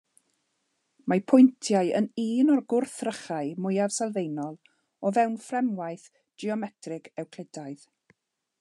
Mae pwyntiau yn un o'r gwrthrychau mwyaf sylfaenol o fewn fframwaith geometreg Ewclidaidd.